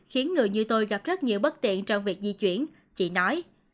khiến người như tôi gặp rất nhiều bất tiện trong việc di chuyển chị nói